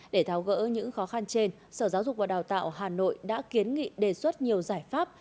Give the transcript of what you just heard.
để tháo gỡ những khó khăn trên sở giáo dục và đào tạo hà nội đã kiến nghị đề xuất nhiều giải pháp